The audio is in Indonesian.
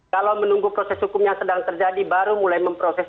kalau menunggu proses hukum yang sedang terjadi baru mulai memproses